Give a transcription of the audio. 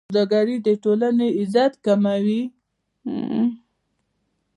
سوالګري د ټولنې عزت کموي.